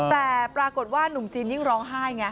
แต่ปรากฏว่านุ่มจีนยิ่งร้องไห้ไง